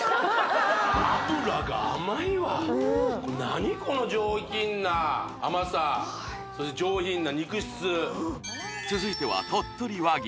脂が甘いわ何この上品な甘さそして上品な肉質続いては鳥取和牛